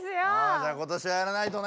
じゃあことしはやらないとね！